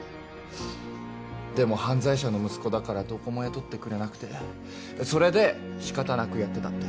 でも犯罪者の息子だからどこも雇ってくれなくてそれでしかたなくやってたって。